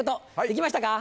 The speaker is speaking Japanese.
できましたか？